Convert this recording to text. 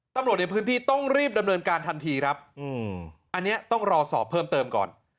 ตำรวจในพื้นที่ต้องรีบดำเนินการทันทีครับอันนี้ต้องรอสอบเพิ่มเติมก่อน